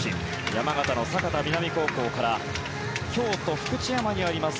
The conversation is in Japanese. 山形の酒田南高校から京都・福知山にあります